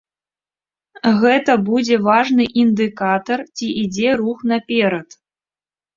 Гэта будзе важны індыкатар, ці ідзе рух наперад.